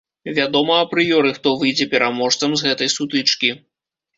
Вядома апрыёры, хто выйдзе пераможцам з гэтай сутычкі.